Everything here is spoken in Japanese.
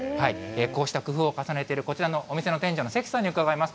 こうした工夫を重ねている、こちらのお店の店長の關さんに伺います。